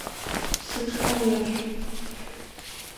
Псы чъыӏэ ешъу!